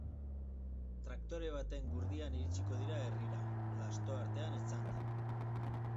Traktore baten gurdian iritsiko dira herrira, lasto artean etzanda.